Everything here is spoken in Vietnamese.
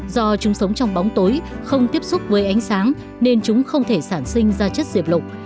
do chúng sống trong bóng tối không tiếp xúc với ánh sáng nên chúng không thể sản sinh ra chất diệt lục